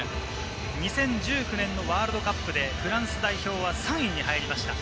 ２０１９年のワールドカップでフランス代表は３位に入りました。